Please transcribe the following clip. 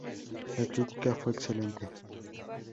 La crítica fue excelente.